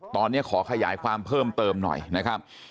ตอนนี้ขอขยายความเพิ่มเติมหน่อยนะครับ